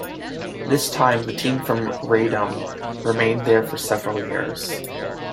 This time, the team from Radom remained there for several years.